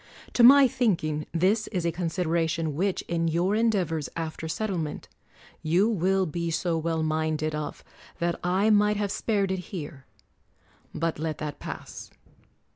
To my thinking, this is a consideration which, in your endeavors after settlement, you will be so well minded of that I might have spared it here : but let that pass.